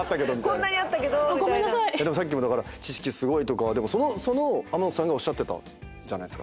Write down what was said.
さっきも「知識すごい」とかその天野さんがおっしゃってたじゃないですか。